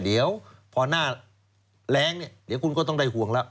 เดี๋ยวพอหน้าแรงเนี่ยเดี๋ยวคุณก็ต้องได้ห่วงแล้ว